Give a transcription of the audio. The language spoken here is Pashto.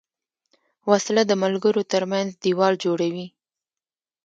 وسله د ملګرو تر منځ دیوال جوړوي